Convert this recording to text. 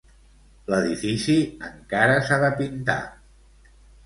L'edifici encara s'ha de pintar.